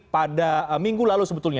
pada minggu lalu sebetulnya